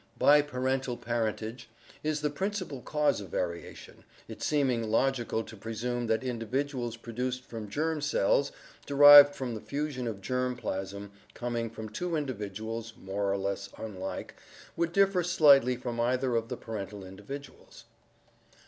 biparental parentage, is the prin cipal cause of variation, it seeming logical to presume that in dividuals produced from germ cells derived from the fusion of germ plasm coming from two individuals more or less unlike would differ slightly from either of the parental individuals.